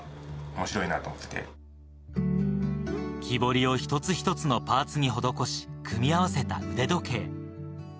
木彫りを一つ一つのパーツに施し、組み合わせた腕時計。